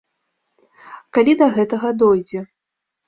Калі да гэтага дойдзе.